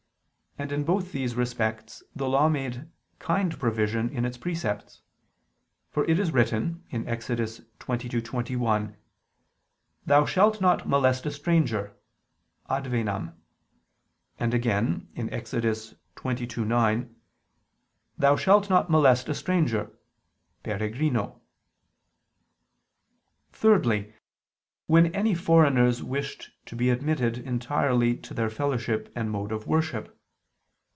And in both these respects the Law made kind provision in its precepts: for it is written (Ex. 22:21): "Thou shalt not molest a stranger (advenam)"; and again (Ex. 22:9): "Thou shalt not molest a stranger (peregrino)." Thirdly, when any foreigners wished to be admitted entirely to their fellowship and mode of worship.